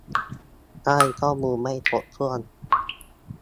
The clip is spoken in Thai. ได้ข้อมูลไม่ครบถ้วน